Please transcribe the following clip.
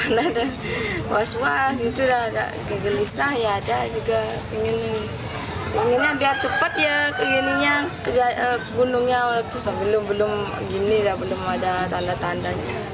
belum ada tanda tandanya